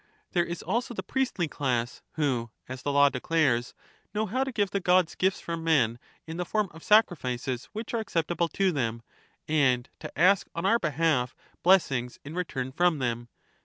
There is also the priestly class, who, as the law de clares, know how to give the gods gifts from men in the form of sacrifices which are acceptable to them, and to ask on our behalf blessings in return from them.